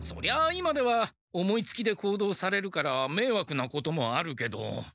今では思いつきで行動されるからめいわくなこともあるけど。